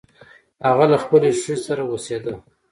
هغه له خپلې ښځې سره اوسیده.